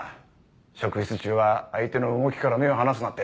職質中は相手の動きから目を離すなって。